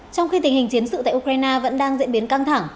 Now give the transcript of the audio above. trong khi tình hình chiến sự tại ukraine vẫn đang diễn biến căng thẳng